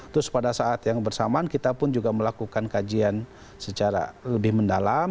terus pada saat yang bersamaan kita pun juga melakukan kajian secara lebih mendalam